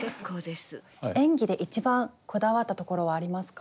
演技で一番こだわったところはありますか？